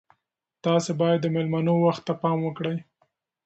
تاسي باید د میلمنو وخت ته پام وکړئ.